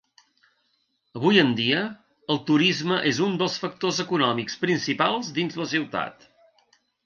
Avui en dia, el turisme és un dels factors econòmics principals dins la ciutat.